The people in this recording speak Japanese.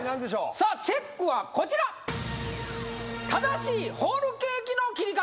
さあチェックはこちら正しいホールケーキの切り方